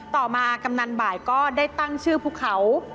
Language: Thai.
ต่อมากำนันบ่ายก็ได้ตั้งชื่อภูเขา